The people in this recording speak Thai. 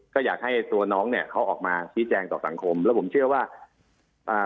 ก็อยากให้ตัวน้องเนี้ยเขาออกมาชี้แจงต่อสังคมแล้วผมเชื่อว่าอ่า